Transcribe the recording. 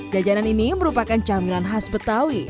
jajanan ini merupakan camilan khas betawi